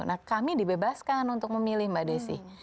nah kami dibebaskan untuk memilih mbak desi